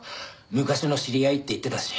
昔の知り合いって言ってたし。